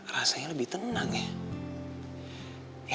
rasanya lebih tenang ya